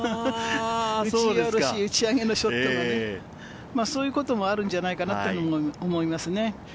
打ち下ろし、打ち上げのショットがね、そういうこともあるんじゃないかなと思いますね。